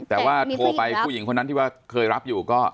แต่ว่าโทรไปมีผู้หญิงรับผู้หญิงคนนั้นที่ว่าเคยรับอยู่ก็